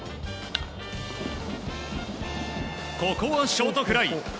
ここはショートフライ。